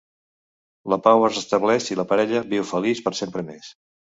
La pau es restableix i la parella viu feliç per sempre més.